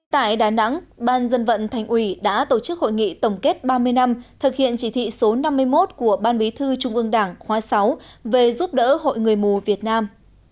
tại đà nẵng ban dân vận thành ủy đã tổ chức hội nghị tổng kết ba mươi năm thực hiện chỉ thị số năm mươi một của ban bí thư trung ương đảng khóa sáu về giúp đỡ hội người mù việt nam